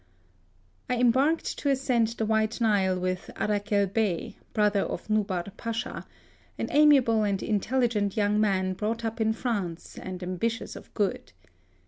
I embarked to ascend the White Nile with Arakel Bey, brother of Nubar Pacha,^ an amiable and intelligent young man brought up in France, and ambitious of good.